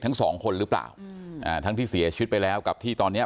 ทั้งสองคนหรือเปล่าอืมอ่าทั้งที่เสียชีวิตไปแล้วกับที่ตอนเนี้ย